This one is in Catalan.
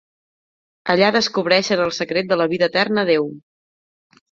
Allà descobreixen el secret de la vida eterna a Déu.